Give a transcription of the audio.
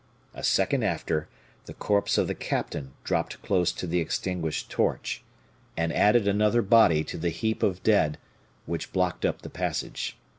A second after, the corpse of the captain dropped close to the extinguished torch, and added another body to the heap of dead which blocked up the passage.